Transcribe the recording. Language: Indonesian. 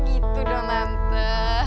gitu dong mante